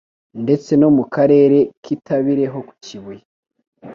Ndetse no mu Karere k'Itabire ho ku Kibuye